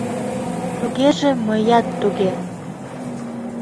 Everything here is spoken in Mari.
Тугеже мыят туге!